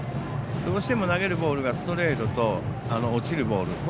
どうしても投げるボールがストレートと落ちるボール。